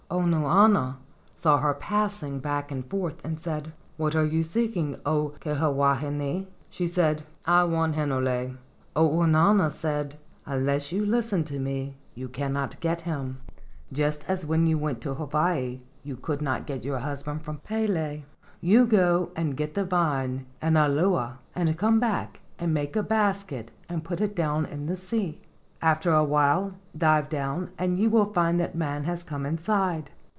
Ounauna saw her passing back and forth, and said, "What are you seeking, 0 Kiha wahine?" She said, "I want Hinole." Ounauna said: "Unless you listen to me you cannot get him, just as when you went to Hawaii you could not get your husband from Pele. You go and get the vine inalua and come back and make a basket and put it down in the sea. After a while dive down and you will find that man has come inside.